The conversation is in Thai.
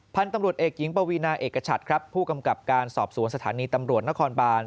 พันธุ์ตำรวจเอกหญิงปวีนาเอกชัดครับผู้กำกับการสอบสวนสถานีตำรวจนครบาน